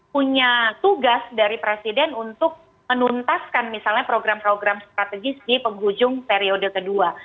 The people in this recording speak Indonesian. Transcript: punya tugas dari presiden untuk menuntaskan misalnya program program strategis di penghujung periode kedua